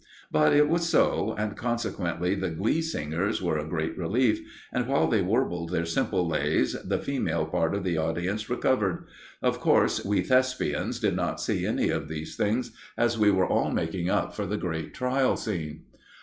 But it was so, and consequently the glee singers were a great relief, and while they warbled their simple lays, the female part of the audience recovered. Of course, we Thespians did not see any of these things, as we were all making up for the great Trial Scene.